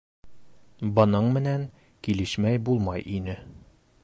Бының менән килешмәй булмай ине.